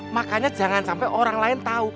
makanya jangan sampai orang lain tahu